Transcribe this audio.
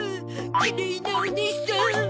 きれいなおねいさん！